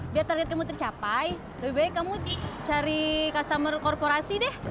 biar target kamu tercapai lebih baik kamu cari customer korporasi deh